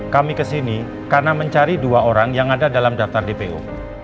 kami kesini karena mencari dua orang yang ada dalam daftar dpo